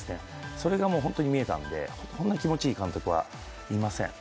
それが本当に見えたんで、こんな気持ちいい監督はいません。